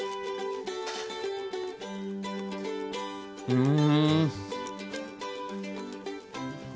うん。